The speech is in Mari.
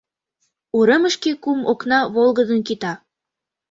Уремышке кум окна волгыдын кӱта.